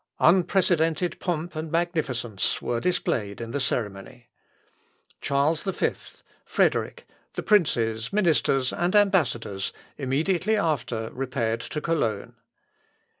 Unprecedented pomp and magnificence were displayed in the ceremony. Charles V, Frederick, the princes, ministers, and ambassadors, immediately after repaired to Cologne.